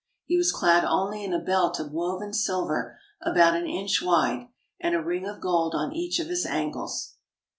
He was clad only in a belt of woven silver about an inch wide, and a ring of gold on each of his ankles.